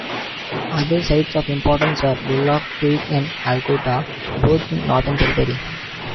Other sites of importance were Bullock Creek and Alcoota, both in the Northern Territory.